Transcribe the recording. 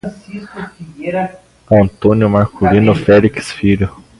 Antônio Marculino Felix Filho